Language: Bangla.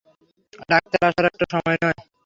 ডাক্তার আসার এটা সময় নয়।